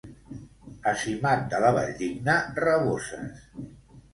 A Simat de la Valldigna, raboses.